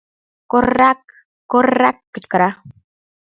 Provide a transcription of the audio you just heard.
«Кор-рак, кор-рак!.. — кычкыра